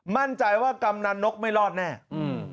มั่นใจว่ากำนันนกไม่รอดแน่อืม